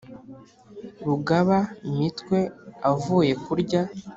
rugaba-mitwe avuye kurya,